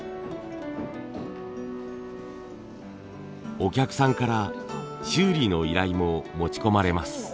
お客さんから修理の依頼も持ち込まれます。